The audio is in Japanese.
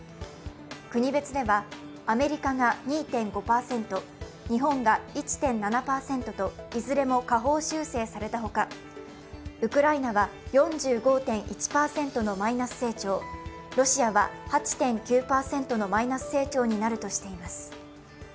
国別ではアメリカが２．５％、日本が１．７％といずれも下方修正されたほか、ウクライナは４５．１％のマイナス成長、ロシアは８．９％のマイナス成長になるとしています。